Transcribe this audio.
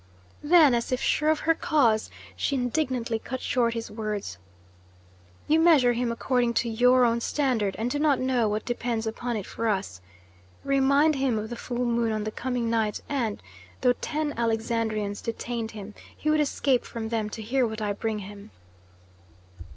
Then, as if sure of her cause, she indignantly cut short his words: "You measure him according to your own standard, and do not know what depends upon it for us. Remind him of the full moon on the coming night and, though ten Alexandrians detained him, he would escape from them to hear what I bring him."